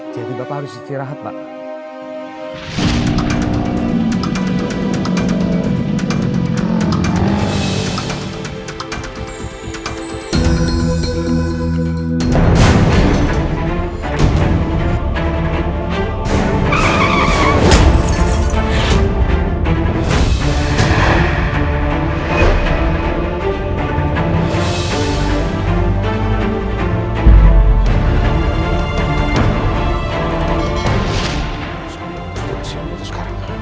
jadi bapak harus istirahat pak